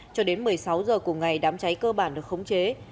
cho đến một mươi sáu h cùng ngày đám cháy cơ bản được khống chế